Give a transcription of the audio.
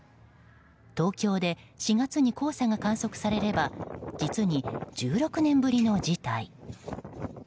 東京で４月に黄砂が観測されれば実に１６年ぶりの事態。